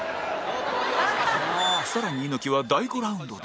更に猪木は第５ラウンドで